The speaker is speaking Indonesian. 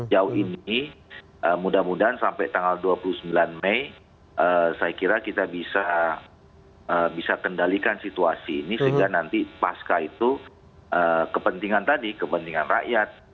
jauh ini mudah mudahan sampai tanggal dua puluh sembilan mei saya kira kita bisa kendalikan situasi ini sehingga nanti pasca itu kepentingan tadi kepentingan rakyat